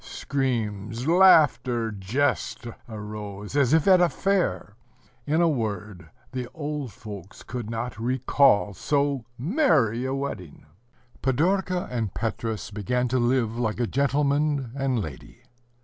... Screams, laughter, jest, arose, as if at a fair. In a word, the old folks could not recall so merry a wedding. Pidorka and Petrus began to live like a gentleman and lady.